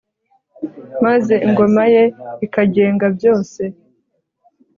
maze ingoma ye ikagenga byose